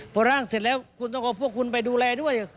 พอร่างเสร็จแล้วคุณต้องเอาพวกคุณไปดูแลด้วย